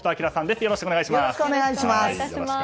よろしくお願いします。